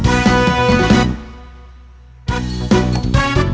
ปลอดภัย